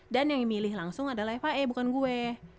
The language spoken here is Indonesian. dan yang milih langsung adalah fia bukan gue